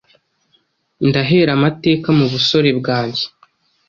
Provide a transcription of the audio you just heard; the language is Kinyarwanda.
Ndahera amateka mu busore bwanjye